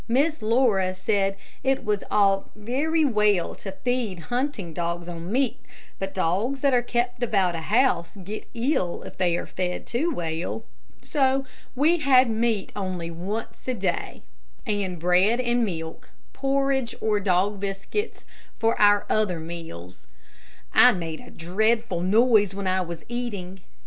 Miss Laura said it was all very well to feed hunting dogs on meat, but dogs that are kept about a house get ill if they are fed too well. So we had meat only once a day, and bread and milk, porridge, or dog biscuits, for our other meals. I made a dreadful noise when I was eating.